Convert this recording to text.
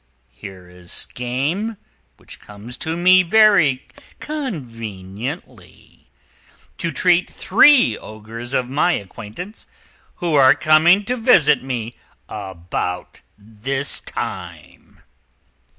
Here is game, which comes to me very conveniently to treat three Ogres of my acquaintance, who are coming to visit me about this time."